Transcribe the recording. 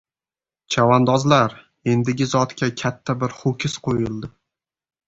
Chavandozlar, endigi zotga katta bir ho‘kiz qo‘yildi.